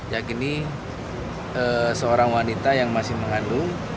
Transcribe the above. yakni seorang wanita yang masih mengandung